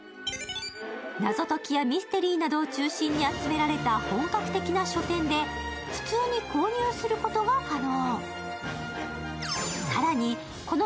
謎解きやミステリーなどを中心に集められた書店で普通に購入することも可能。